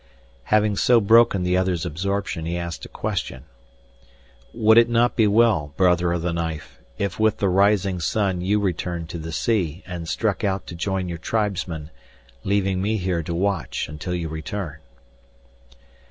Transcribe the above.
Having so broken the other's absorption he asked a question: "Would it not be well, brother of the knife, if with the rising sun you returned to the sea and struck out to join your tribesmen, leaving me here to watch until you return?"